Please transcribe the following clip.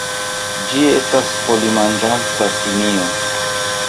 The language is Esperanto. Ĝi estas folimanĝanta simio.